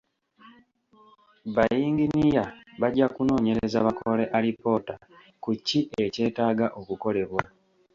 Ba yinginiya bajja kunoonyereza bakole alipoota ku ki ekyetaaga okukolebwa.